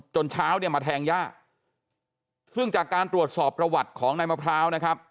เช้าเนี่ยมาแทงย่าซึ่งจากการตรวจสอบประวัติของนายมะพร้าวนะครับ